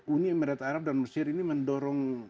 uni emirat arab dan mesir ini mendorong